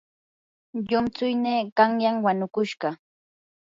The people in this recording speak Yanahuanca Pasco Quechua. llumtsuynii qanyan wanukushqa.